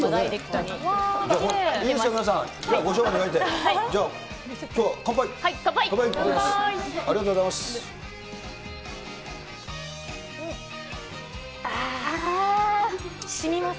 ありがとうございます。